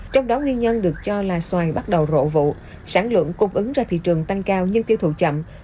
trong đó nguyên nhân được cho là xoài bắt đầu rộ vụ sản lượng cung ứng ra thị trường tăng cao nhưng tiêu thụ chậm